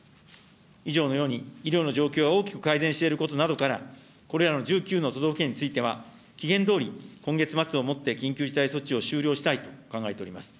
以上のように医療の状況は大きく改善していることなどから、これらの１９の都道府県については、期限どおり今月末をもって緊急事態措置を終了したいと考えております。